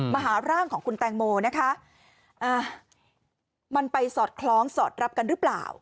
มาหาร่างของคุณแตงโมนะคะอ่ามันไปสอดคล้องสอดรับกันหรือเปล่า